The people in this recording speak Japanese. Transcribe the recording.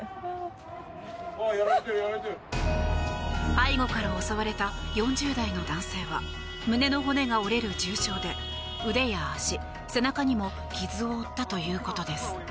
背後から襲われた４０代の男性は胸の骨が折れる重傷で腕や足、背中にも傷を負ったということです。